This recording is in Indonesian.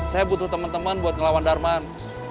saya butuh temen temen buat ngelawan darman